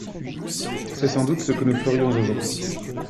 C’est sans doute ce que nous ferions aujourd’hui.